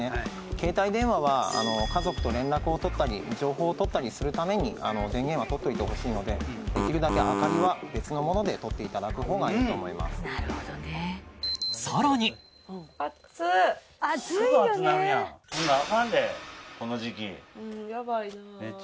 携帯電話は家族と連絡をとったり情報をとったりするために電源はとっておいてほしいのでできるだけ明かりは別のものでとっていただくほうがいいと思いますなるほどねさらにあかんでこの時期うんやばいなあ